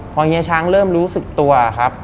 พอเฮียช้างเริ่มรู้สึกตัวครับ